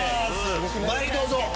前へどうぞ。